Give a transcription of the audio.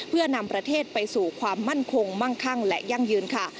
เพื่อนำประเทศไปสู่ความมั่นคงมั่งคั่งและยั่งยืนค่ะ